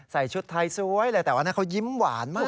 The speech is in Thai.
ใส่ชุดไทยสวยแต่ว่านั่นเขายิ้มหวานมาก